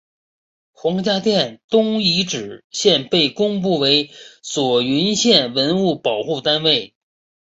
黄家店东遗址现被公布为左云县文物保护单位。